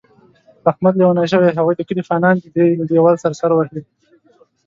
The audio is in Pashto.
احمد لېونی شوی، هغوی د کلي خانان دي. دی له دېوال سره سر وهي.